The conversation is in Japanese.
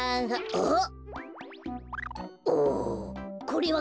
あっ！